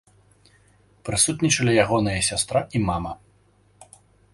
Прысутнічалі ягоныя сястра і мама.